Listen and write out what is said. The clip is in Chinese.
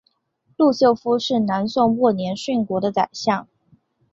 陆秀夫是南宋末年殉国的宰相。